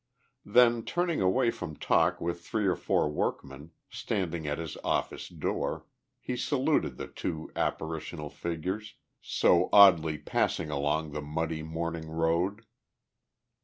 Then, turning away from talk with three or four workmen, standing at his office door, he saluted the two apparitional figures, so oddly passing along the muddy morning road.